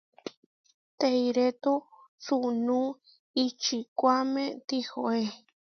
Teirétu sunú ičikuáme tihoé.